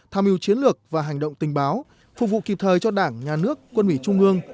tham mưu chiến lược và hành động tình báo phục vụ kịp thời cho đảng nhà nước quân ủy trung ương